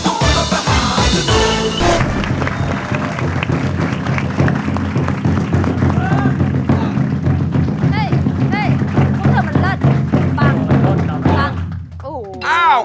อู้ว